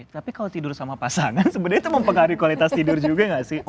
tapi kalau tidur sama pasangan sebenarnya itu mempengaruhi kualitas tidur juga nggak sih